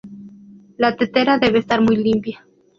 La tetera debe estar muy limpia.